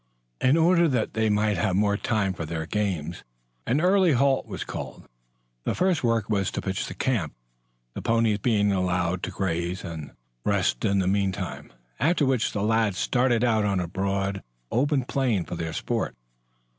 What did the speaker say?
In order that they might have more time for their games, an early halt was called. The first work was to pitch the camp, the ponies being allowed to graze and rest in the meantime, after which the lads started out on a broad, open plain for their sport.